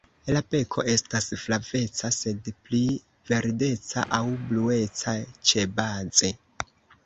La beko estas flaveca, sed pli verdeca aŭ blueca ĉebaze.